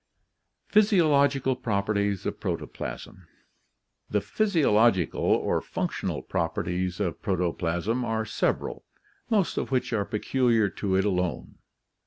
Physiological Properties of Protoplasm.— The physiological or functional properties of protoplasm are several, most of which are peculiar to it alone.